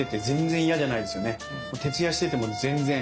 徹夜してても全然。